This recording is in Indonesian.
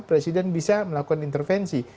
presiden bisa melakukan intervensi